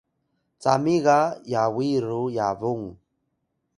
cami ga Yawi ru Yabung